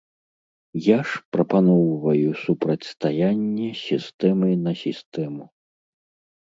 Я ж прапаноўваю супрацьстаянне сістэмы на сістэму.